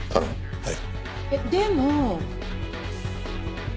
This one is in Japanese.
はい。